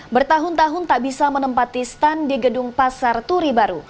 bertahun tahun tak bisa menempati stand di gedung pasar turi baru